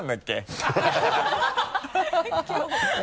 ハハハ